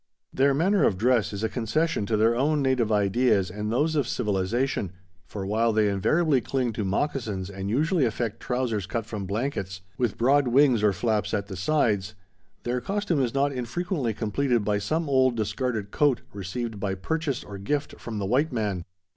Their manner of dress is a concession to their own native ideas and those of civilization, for while they invariably cling to moccasins and usually affect trousers cut from blankets with broad wings or flaps at the sides, their costume is not infrequently completed by some old discarded coat received by purchase or gift from the white man.